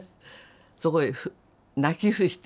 そこへ泣き伏して。